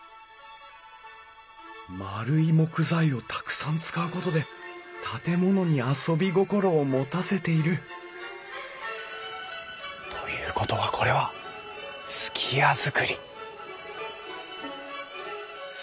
丸い木材をたくさん使うことで建物に遊び心を持たせているということはこれは数寄屋造り。